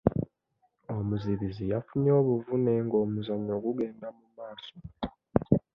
Omuzibizi yafunye obuvune ng'omuzannyo gugenda mu maaso.